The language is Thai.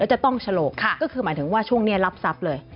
จะต้องฉลกก็คือหมายถึงว่าช่วงนี้รับทรัพย์เลย